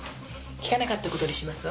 聞かなかった事にしますわ。